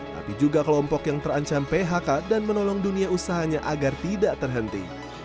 tapi juga kelompok yang terancam phk dan menolong dunia usahanya agar tidak terhenti